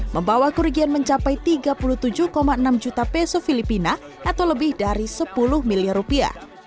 membawa kerugian mencapai tiga puluh tujuh enam juta peso filipina atau lebih dari sepuluh miliar rupiah